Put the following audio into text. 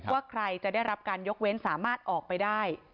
ว่าใครจะได้รับการยกเว้นสามารถออกไปได้